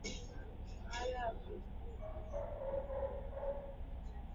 utawala wa Ujerumani na baadaye Utawala wa Kikoloni wa Uingereza Dola za Kiluguru zilinyanganywa